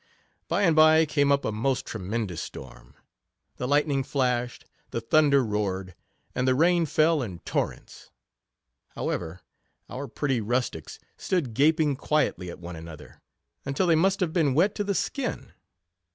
By and by came up a most tre mendous storm : the lightning flashed, the thunder roared, and the rain fell in torrents: however, our pretty rustics stood gaping quietly at one another, until they must have been wet to the skin.